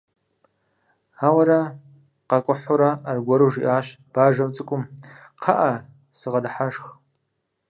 Ауэрэ къакӀухьурэ аргуэру жиӀащ Бажэжь цӀыкӀум: «КхъыӀэ, сыгъэдыхьэшх».